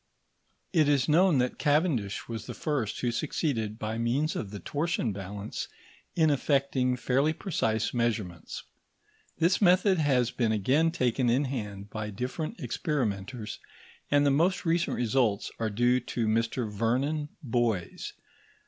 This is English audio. It is known that Cavendish was the first who succeeded by means of the torsion balance in effecting fairly precise measurements. This method has been again taken in hand by different experimenters, and the most recent results are due to Mr Vernon Boys.